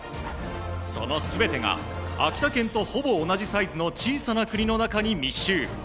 その全てが秋田県とほぼ同じサイズの小さな国の中に密集。